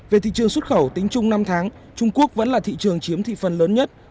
về thị trường xuất khẩu tính chung năm tháng trung quốc vẫn là thị trường chiếm thị phần lớn nhất